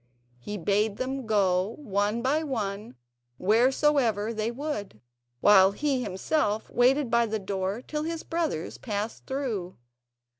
He bade them go one by one wheresoever they would, while he himself waited by the door till his brothers passed through.